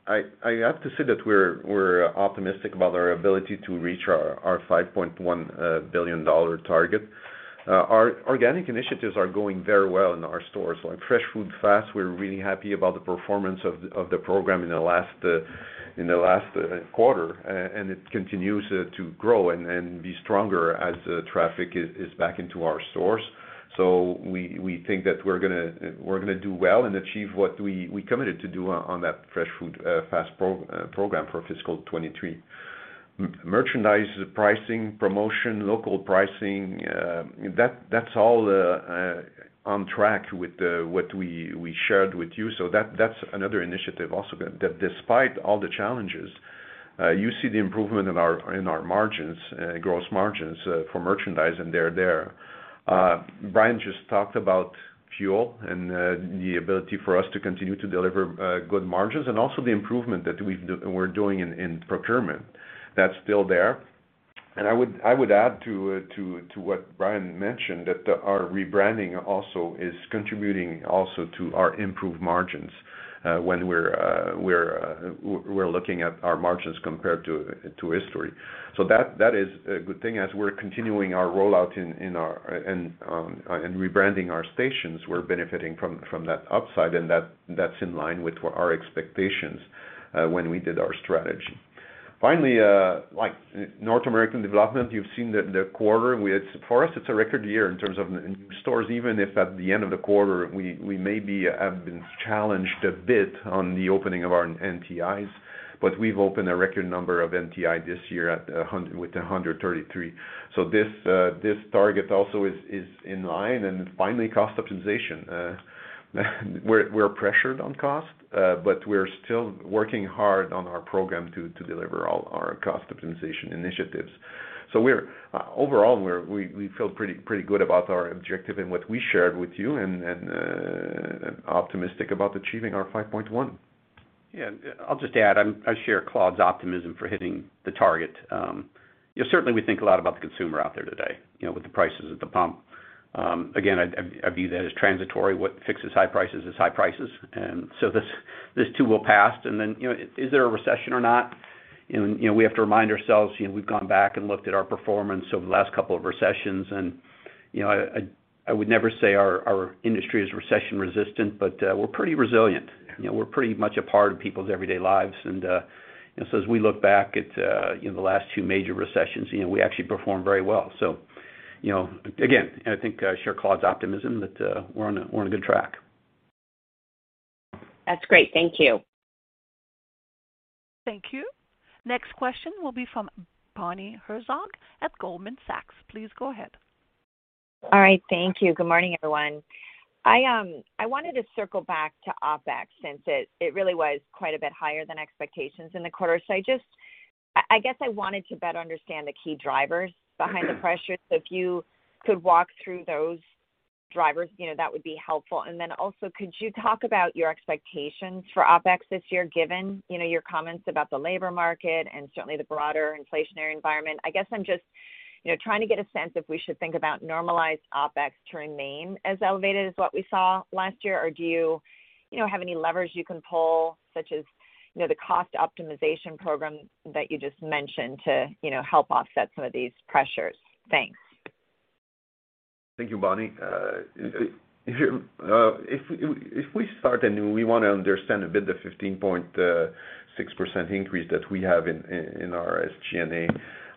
I have to say that we're optimistic about our ability to reach our $5.1 billion target. Our organic initiatives are going very well in our stores. Like Fresh Food, Fast, we're really happy about the performance of the program in the last quarter. It continues to grow and be stronger as traffic is back into our stores. We think that we're gonna do well and achieve what we committed to do on that Fresh Food, Fast program for fiscal 2023. Merchandise pricing, promotion, local pricing, that's all on track with what we shared with you. That's another initiative also that despite all the challenges, you see the improvement in our margins, gross margins, for merchandise, and they're there. Brian just talked about fuel and the ability for us to continue to deliver good margins and also the improvement that we're doing in procurement. That's still there. I would add to what Brian mentioned, that our rebranding also is contributing also to our improved margins when we're looking at our margins compared to history. That is a good thing as we're continuing our rollout in our and rebranding our stations, we're benefiting from that upside and that's in line with what our expectations when we did our strategy. Finally, like North American development, you've seen the quarter. For us, it's a record year in terms of new stores, even if at the end of the quarter we maybe have been challenged a bit on the opening of our NTIs, but we've opened a record number of NTI this year with 133. This target also is in line. Finally, cost optimization. We're pressured on cost, but we're still working hard on our program to deliver all our cost optimization initiatives. Overall we feel pretty good about our objective and what we shared with you and optimistic about achieving our 5.1%. Yeah. I'll just add, I share Claude's optimism for hitting the target. You know, certainly we think a lot about the consumer out there today, you know, with the prices at the pump. Again, I view that as transitory. What fixes high prices is high prices. This too will pass. You know, is there a recession or not? You know, we have to remind ourselves, you know, we've gone back and looked at our performance over the last couple of recessions and, you know, I would never say our industry is recession resistant, but we're pretty resilient. You know, we're pretty much a part of people's everyday lives. And so as we look back at, you know, the last two major recessions, you know, we actually performed very well. You know, again, I think, share Claude's optimism that we're on a good track. That's great. Thank you. Thank you. Next question will be from Bonnie Herzog at Goldman Sachs. Please go ahead. All right. Thank you. Good morning, everyone. I wanted to circle back to OpEx since it really was quite a bit higher than expectations in the quarter. I guess I wanted to better understand the key drivers behind the pressure. If you could walk through those drivers, you know, that would be helpful. Then also, could you talk about your expectations for OpEx this year, given you know, your comments about the labor market and certainly the broader inflationary environment? I guess I'm just, you know, trying to get a sense if we should think about normalized OpEx to remain as elevated as what we saw last year. Or do you know, have any levers you can pull, such as, you know, the cost optimization program that you just mentioned to, you know, help offset some of these pressures? Thanks. Thank you, Bonnie. If we start and we wanna understand a bit the 15.6% increase that we have in our SG&A,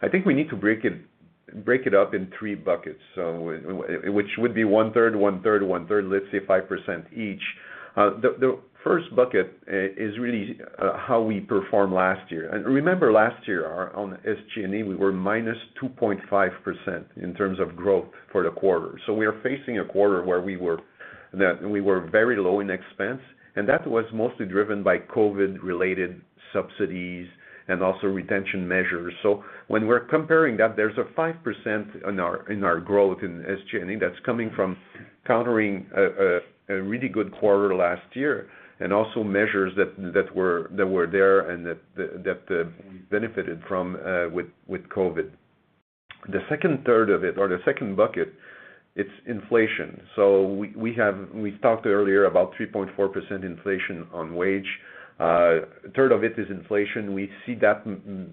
I think we need to break it up in three buckets. Which would be one-third, one-third, one-third, let's say 5% each. The first bucket is really how we performed last year. Remember last year on SG&A, we were -2.5% in terms of growth for the quarter. We are facing a quarter where we were very low in expense, and that was mostly driven by COVID related subsidies and also retention measures. When we're comparing that, there's 5% in our growth in SG&A that's coming from countering a really good quarter last year and also measures that were there and that we benefited from with COVID. The second third of it or the second bucket, it's inflation. We talked earlier about 3.4% inflation on wage. A third of it is inflation. We see that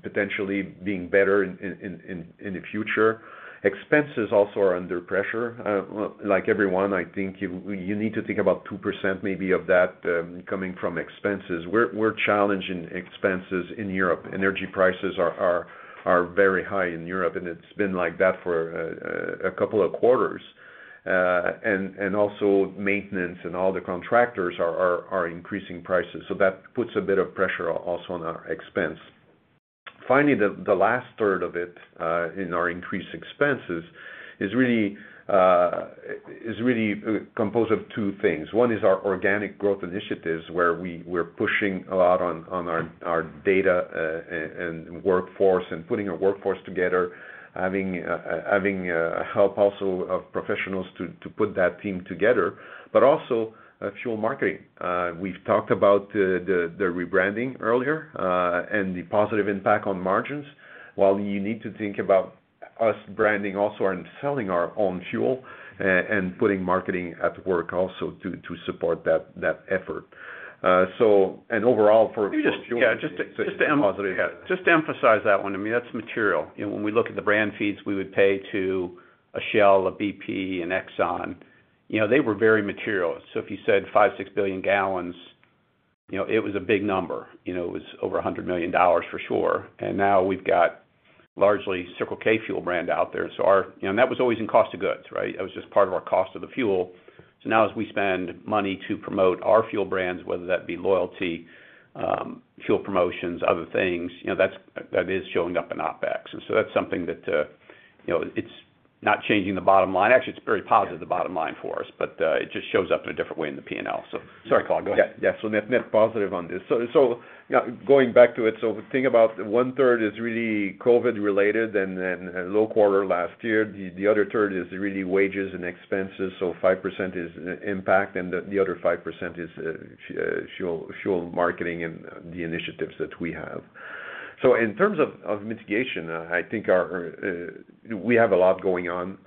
potentially being better in the future. Expenses also are under pressure. Like everyone, I think you need to think about 2% maybe of that coming from expenses. We're challenging expenses in Europe. Energy prices are very high in Europe, and it's been like that for a couple of quarters. Also, maintenance and all the contractors are increasing prices. That puts a bit of pressure also on our expense. Finally, the last third of it in our increased expenses is really composed of two things. One is our organic growth initiatives, where we're pushing a lot on our data and workforce and putting a workforce together, having help also of professionals to put that team together, but also fuel marketing. We've talked about the rebranding earlier, and the positive impact on margins. While you need to think about U.S. branding also and selling our own fuel and putting marketing at work also to support that effort. Overall for fuel Let me just emphasize that one, I mean, that's material. You know, when we look at the brand fees we would pay to a Shell, a BP, an Exxon, you know, they were very material. If you said 5-6 billion gallons, you know, it was a big number. You know, it was over $100 million for sure. Now we've got largely Circle K fuel brand out there. You know, that was always in cost of goods, right? That was just part of our cost of the fuel. Now as we spend money to promote our fuel brands, whether that be loyalty, fuel promotions, other things, you know, that's showing up in OpEx. That's something that, you know, it's not changing the bottom line. Actually, it's very positive the bottom line for us, but, it just shows up in a different way in the P&L. Sorry, Claude, go ahead. Yeah. Net, net positive on this. Going back to it, the thing about 1/3 is really COVID-related and then low quarter last year. The other 1/3 is really wages and expenses. 5% is impact, and the other 5% is fuel marketing and the initiatives that we have. In terms of mitigation, I think our... We have a lot going on.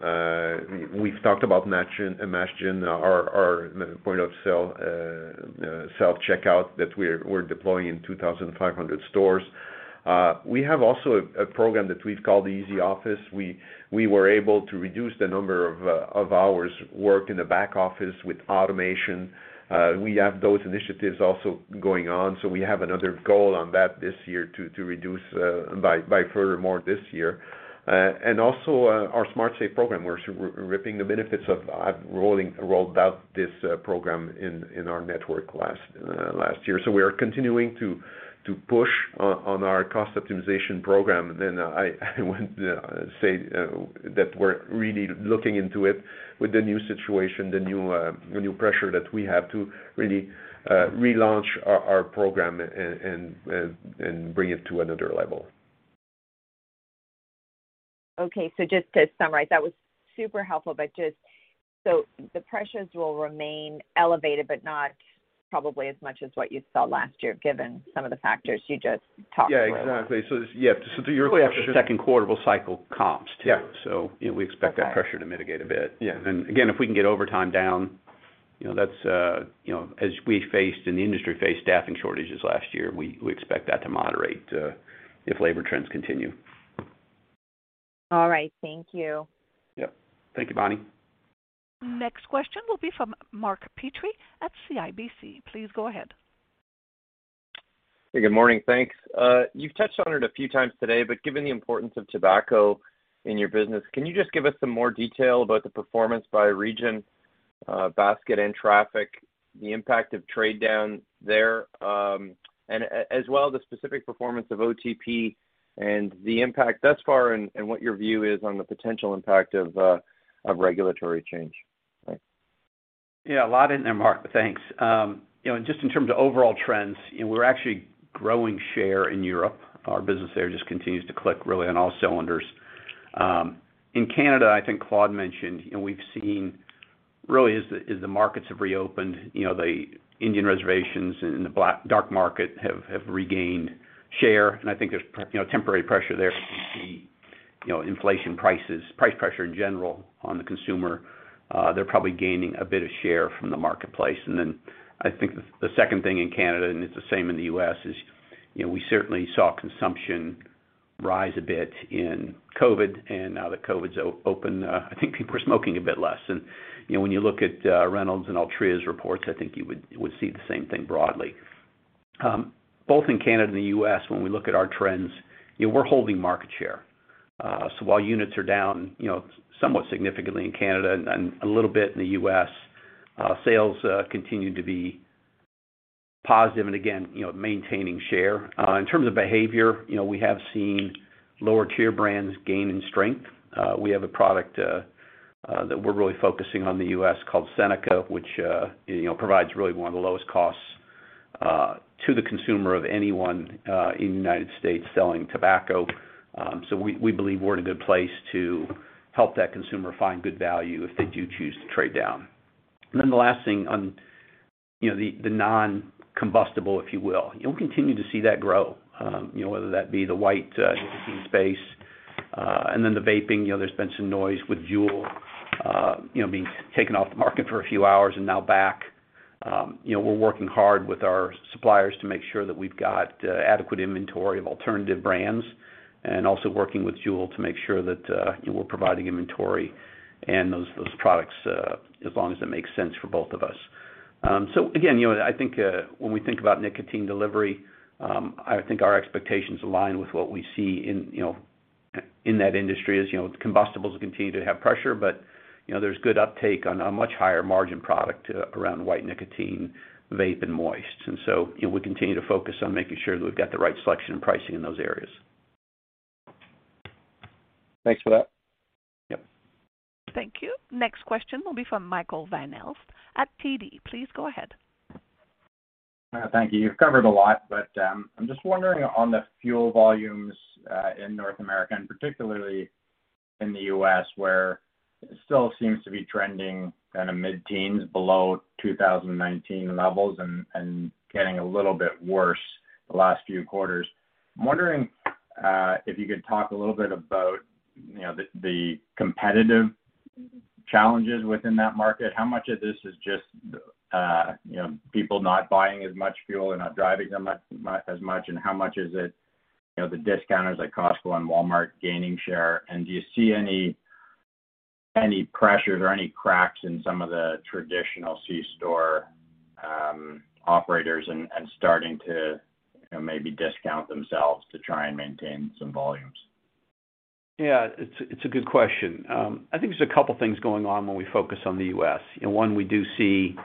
We've talked about Mashgin, our point of sale self-checkout that we're deploying in 2,500 stores. We have also a program that we've called Easy Office. We were able to reduce the number of hours worked in the back office with automation. We have those initiatives also going on, so we have another goal on that this year to reduce further this year. Also, our Smart Save program. We're reaping the benefits of rolling out this program in our network last year. We are continuing to push on our cost optimization program. I would say that we're really looking into it with the new situation, the new pressure that we have to really relaunch our program and bring it to another level. Okay. Just to summarize, that was super helpful. Just so the pressures will remain elevated, but not probably as much as what you saw last year, given some of the factors you just talked through. Yeah, exactly. Yeah, the year-over-year Second quarter will cycle comps too. Yeah. We expect that pressure to mitigate a bit. Yeah. Again, if we can get overtime down, you know, that's, you know, as we faced and the industry faced staffing shortages last year, we expect that to moderate, if labor trends continue. All right. Thank you. Yeah. Thank you, Bonnie. Next question will be from Mark Petrie at CIBC. Please go ahead. Hey, good morning. Thanks. You've touched on it a few times today, but given the importance of tobacco in your business, can you just give us some more detail about the performance by region, basket and traffic, the impact of trade down there, and as well, the specific performance of OTP and the impact thus far and what your view is on the potential impact of regulatory change? Thanks. Yeah, a lot in there, Mark. Thanks. You know, just in terms of overall trends, we're actually growing share in Europe. Our business there just continues to click really on all cylinders. In Canada, I think Claude mentioned, and we've seen really as the markets have reopened, you know, the Indian reservations and the black market have regained share. I think there's temporary pressure there. You know, inflation prices, price pressure in general on the consumer, they're probably gaining a bit of share from the marketplace. Then I think the second thing in Canada, and it's the same in the U.S., is, you know, we certainly saw consumption rise a bit in COVID. Now that COVID's open, I think people are smoking a bit less. You know, when you look at Reynolds American and Altria Group's reports, I think you would see the same thing broadly. Both in Canada and the U.S., when we look at our trends, you know, we're holding market share. So while units are down, you know, somewhat significantly in Canada and a little bit in the U.S., sales continue to be positive, and again, you know, maintaining share. In terms of behavior, you know, we have seen lower tier brands gain in strength. We have a product that we're really focusing on the U.S. called Seneca, which, you know, provides really one of the lowest costs to the consumer of anyone in the United States selling tobacco. We believe we're in a good place to help that consumer find good value if they do choose to trade down. Then the last thing on, you know, the non-combustible, if you will, you'll continue to see that grow, you know, whether that be the white space. Then the vaping, you know, there's been some noise with Juul, you know, being taken off the market for a few hours and now back. You know, we're working hard with our suppliers to make sure that we've got adequate inventory of alternative brands and also working with Juul to make sure that, we're providing inventory and those products, as long as it makes sense for both of us. Again, you know what? I think when we think about nicotine delivery, I think our expectations align with what we see in, you know, in that industry. As you know, combustibles continue to have pressure, but, you know, there's good uptake on a much higher margin product around white nicotine, vape, and moist. You know, we continue to focus on making sure that we've got the right selection and pricing in those areas. Thanks for that. Yep. Thank you. Next question will be from Michael Van Aelst at TD. Please go ahead. Thank you. You've covered a lot, but I'm just wondering on the fuel volumes in North America and particularly in the U.S., where it still seems to be trending kind of mid-teens below 2019 levels and getting a little bit worse the last few quarters. I'm wondering if you could talk a little bit about, you know, the competitive challenges within that market. How much of this is just, you know, people not buying as much fuel and not driving as much, and how much is it, you know, the discounters like Costco and Walmart gaining share? Do you see any pressures or any cracks in some of the traditional C-store operators and starting to, you know, maybe discount themselves to try and maintain some volumes? Yeah, it's a good question. I think there's a couple things going on when we focus on the U.S. You know,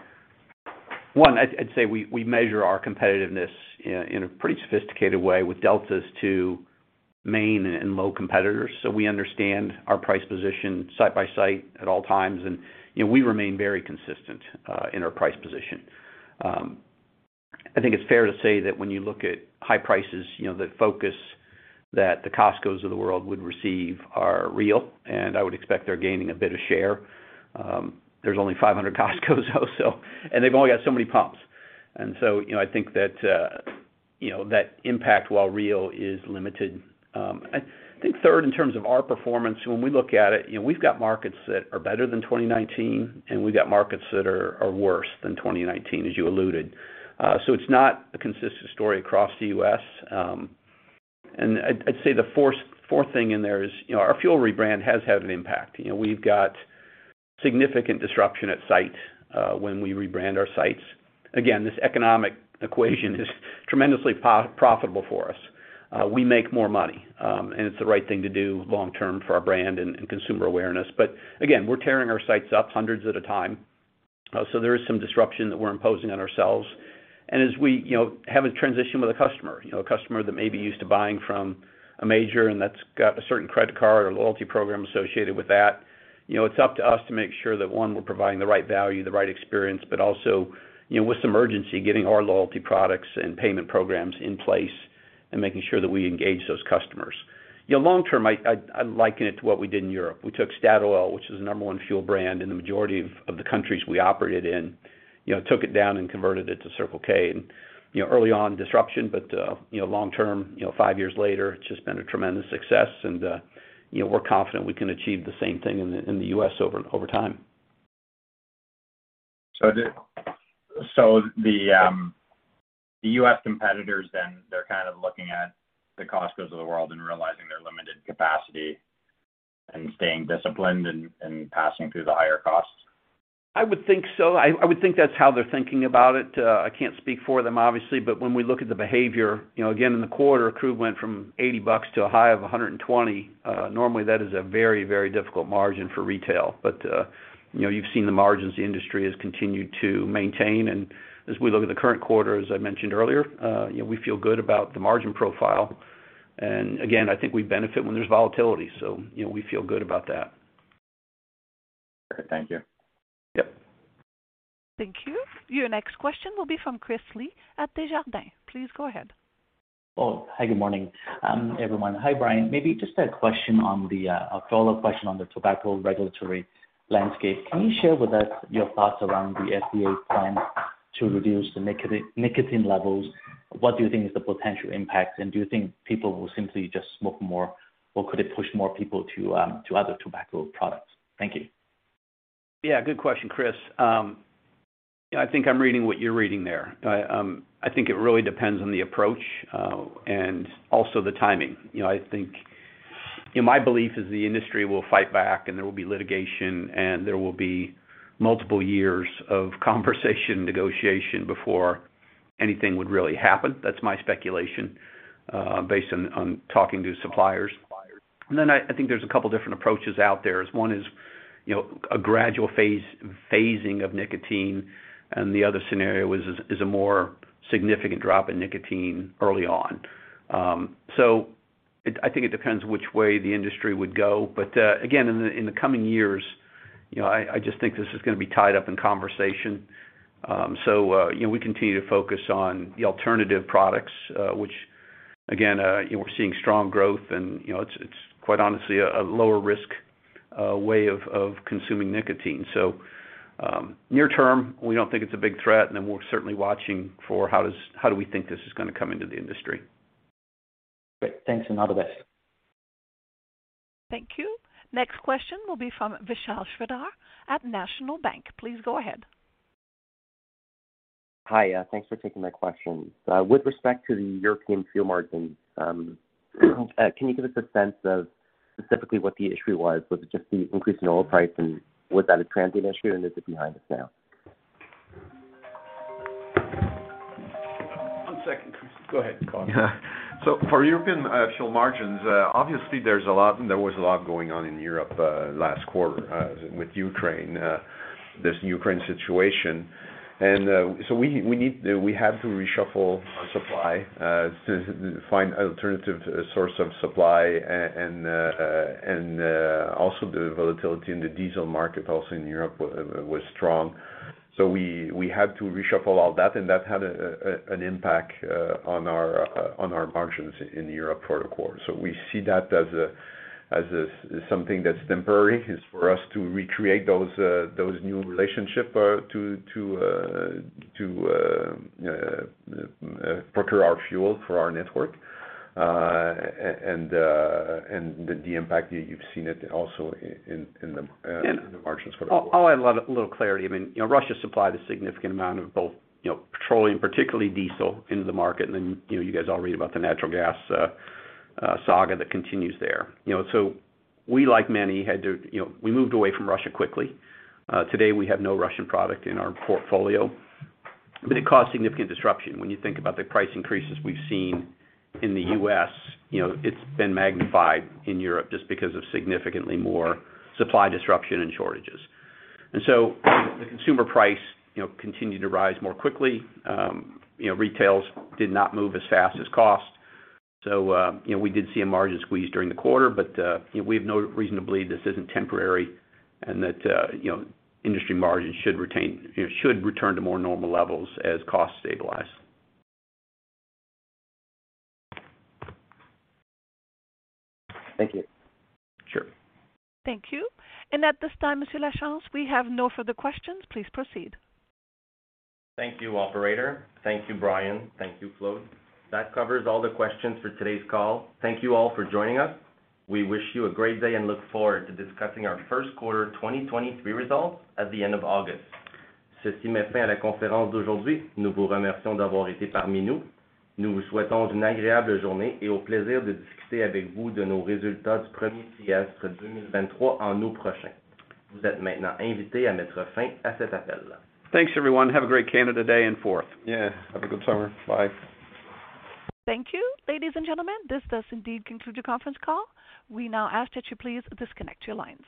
one, I'd say we measure our competitiveness in a pretty sophisticated way with deltas to main and low competitors. So we understand our price position site by site at all times. You know, we remain very consistent in our price position. I think it's fair to say that when you look at high prices, you know, the focus that the Costcos of the world would receive are real, and I would expect they're gaining a bit of share. There's only 500 Costcos though, so they've only got so many pumps. You know, I think that impact, while real, is limited. I think third, in terms of our performance, when we look at it, you know, we've got markets that are better than 2019, and we've got markets that are worse than 2019, as you alluded. So it's not a consistent story across the U.S. I'd say the fourth thing in there is, you know, our fuel rebrand has had an impact. You know, we've got significant disruption at sites when we rebrand our sites. Again, this economic equation is tremendously profitable for us. We make more money, and it's the right thing to do long term for our brand and consumer awareness. We're tearing our sites up hundreds at a time, so there is some disruption that we're imposing on ourselves. As we, you know, have a transition with a customer, you know, a customer that may be used to buying from a major, and that's got a certain credit card or loyalty program associated with that, you know, it's up to us to make sure that, one, we're providing the right value, the right experience, but also, you know, with some urgency, getting our loyalty products and payment programs in place and making sure that we engage those customers. You know, long term, I liken it to what we did in Europe. We took Statoil, which is the number one fuel brand in the majority of the countries we operated in, you know, took it down and converted it to Circle K. You know, early on disruption, but you know, long term, you know, five years later, it's just been a tremendous success and, you know, we're confident we can achieve the same thing in the U.S. over time. The U.S. competitors then, they're kind of looking at the Costcos of the world and realizing their limited capacity and staying disciplined and passing through the higher costs? I would think so. I would think that's how they're thinking about it. I can't speak for them obviously, but when we look at the behavior, you know, again, in the quarter, crude went from $80 to a high of $120. Normally that is a very, very difficult margin for retail. You know, you've seen the margins the industry has continued to maintain. As we look at the current quarter, as I mentioned earlier, you know, we feel good about the margin profile. Again, I think we benefit when there's volatility. You know, we feel good about that. Okay. Thank you. Yep. Thank you. Your next question will be from Chris Li at Desjardins. Please go ahead. Good morning, everyone. Hi, Brian. Maybe just a question on a follow-up question on the tobacco regulatory landscape. Can you share with us your thoughts around the FDA's plan to reduce the nicotine levels? What do you think is the potential impact, and do you think people will simply just smoke more, or could it push more people to other tobacco products? Thank you. Yeah, good question, Chris. I think I'm reading what you're reading there. I think it really depends on the approach, and also the timing. You know, my belief is the industry will fight back, and there will be litigation, and there will be multiple years of conversation negotiation before anything would really happen. That's my speculation, based on talking to suppliers. I think there's a couple different approaches out there. One is, you know, a gradual phasing of nicotine, and the other scenario is a more significant drop in nicotine early on. I think it depends which way the industry would go. Again, in the coming years, you know, I just think this is gonna be tied up in conversation. You know, we continue to focus on the alternative products, which again, you know, we're seeing strong growth and, you know, it's quite honestly a lower risk way of consuming nicotine. Near term, we don't think it's a big threat, and then we're certainly watching for how do we think this is gonna come into the industry. Great. Thanks and all the best. Thank you. Next question will be from Vishal Shreedhar at National Bank. Please go ahead. Hi, thanks for taking my questions. With respect to the European fuel margins, can you give us a sense of specifically what the issue was? Was it just the increase in oil price and was that a transient issue or is it behind us now? One second. Go ahead, Claude. Yeah. For European fuel margins, obviously there's a lot going on in Europe last quarter with Ukraine, this Ukraine situation. We have to reshuffle our supply to find alternative source of supply and also the volatility in the diesel market also in Europe was strong. We had to reshuffle all that, and that had an impact on our margins in Europe for the quarter. We see that as something that's temporary for us to recreate those new relationship to procure our fuel for our network. And the impact that you've seen also in the margins for the quarter. I'll add a little clarity. I mean, you know, Russia supplied a significant amount of both, you know, petroleum, particularly diesel into the market. You know, you guys all read about the natural gas saga that continues there. You know, we, like many, had to, you know, we moved away from Russia quickly. Today, we have no Russian product in our portfolio, but it caused significant disruption. When you think about the price increases we've seen in the U.S., you know, it's been magnified in Europe just because of significantly more supply disruption and shortages. The consumer price, you know, continued to rise more quickly. You know, retail did not move as fast as costs. you know, we did see a margin squeeze during the quarter, but, you know, we have no reason to believe this isn't temporary and that, you know, industry margins should return to more normal levels as costs stabilize. Thank you. Sure. Thank you. At this time, Monsieur Lachance, we have no further questions. Please proceed. Thank you, operator. Thank you, Brian. Thank you, Claude. That covers all the questions for today's call. Thank you all for joining us. We wish you a great day and look forward to discussing our first quarter 2023 results at the end of August. Thanks everyone. Have a great Canada Day and Fourth. Yeah, have a good summer. Bye. Thank you. Ladies and gentlemen, this does indeed conclude your conference call. We now ask that you please disconnect your lines.